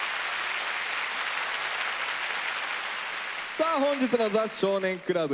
さあ本日の「ザ少年倶楽部」